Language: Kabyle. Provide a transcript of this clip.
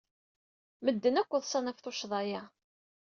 Medden akk ḍsan ɣef tuccḍa-a.